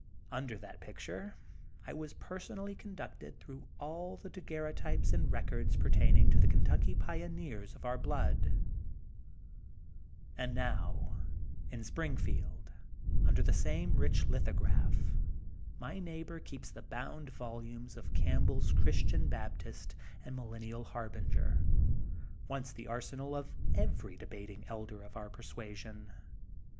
Under that picture I was personally conducted through all the daguerreotypes and records pertaining to the Kentucky pioneers of our blood. i r 6 THE GOLDEN BOOK OF SPRINGFIELD And now, in Springfield, under the same rich lithograph my neighbor keeps the bound volumes of Campbell's Christian Baptist and Millenial Harbinger ^ once the arsenal of every debating elder'' of our persuasion.